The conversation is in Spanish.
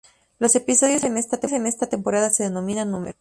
Los episodios en esta temporada se denominan "Números"